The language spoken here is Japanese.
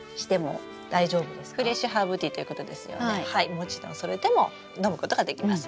もちろんそれでも飲むことができます。